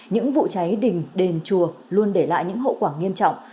những vụ cháy đình đền chùa luôn để lại những hậu quả nghiêm trọng